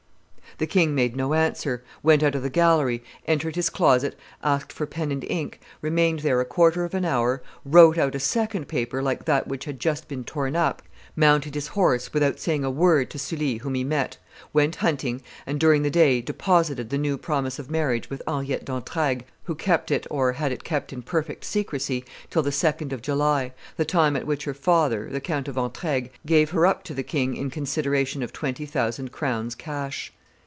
The king made no answer, went out of the gallery, entered his closet, asked for pen and ink, remained there a quarter of an hour, wrote out a second paper like that which had just been torn up, mounted his horse without saying a word to Sully whom he met, went hunting, and, during the day, deposited the new promise of marriage with Henriette d'Entraigues, who kept it or had it kept in perfect secrecy till the 2d of July, the time at which her father, the Count of Entiaigues, gave her up to, the king in consideration of twenty thousand crowns cash.